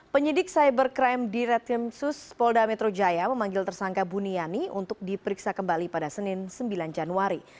penyidik cybercrime di retim sus polda metro jaya memanggil tersangka buniani untuk diperiksa kembali pada senin sembilan januari